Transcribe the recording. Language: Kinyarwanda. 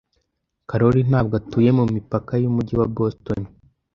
Karoli ntabwo atuye mumipaka yumujyi wa Boston.